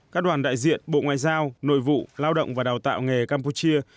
các đoàn đại diện bộ ngoại giao nội vụ lao động và đào tạo nghề campuchia